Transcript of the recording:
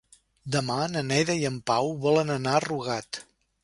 Demà na Neida i en Pau volen anar a Rugat.